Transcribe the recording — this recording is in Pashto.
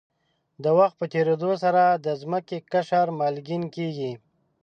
د وخت په تېرېدو سره د ځمکې قشر مالګین کېږي.